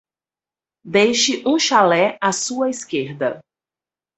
Deixe um chalé à sua esquerda.